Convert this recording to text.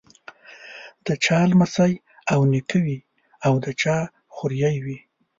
د چا لمسی او نیکه وي او د چا خوريی وي.